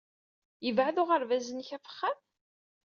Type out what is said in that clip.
Yebɛed uɣerbaz-nnek ɣef wexxam?